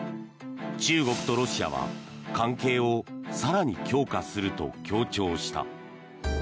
中国とロシアは関係を更に強化すると強調した。